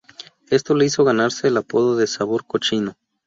Esto le hizo ganarse el apodo de Sabor Cochino.